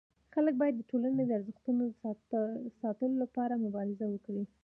خلک باید د ټولني د ارزښتونو د ساتلو لپاره مبارزه وکړي.